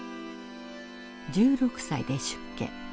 １６歳で出家。